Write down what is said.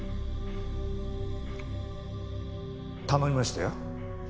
頼みましたよ。